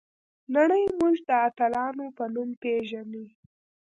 نړۍ موږ د اتلانو په نوم پیژني.